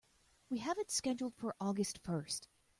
We have it scheduled for August first.